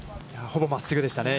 ほぼ真っすぐでしたね。